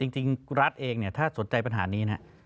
จริงรัฐเองถ้าสนใจปัญหานี้น่ะ